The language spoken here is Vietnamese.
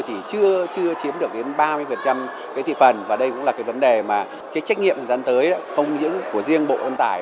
chúng ta đã chiếm được đến ba mươi thị phần và đây cũng là vấn đề mà trách nhiệm dẫn tới không những của riêng bộ văn tải